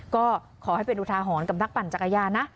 ก็ขอให้เป็นอุทาหรณ์กับนักปั่นจักรยานนะ